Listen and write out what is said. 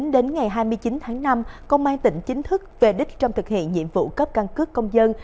đến ngày hai mươi chín tháng năm công an tỉnh chính thức về đích trong thực hiện nhiệm vụ cấp căn cước công dân